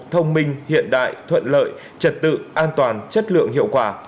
thông minh hiện đại thuận lợi trật tự an toàn chất lượng hiệu quả